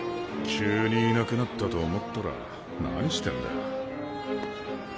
・急にいなくなったと思ったら・何してんだよ。